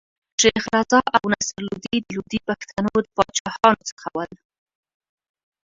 شېخ رضي او نصر لودي د لودي پښتنو د پاچاهانو څخه ول.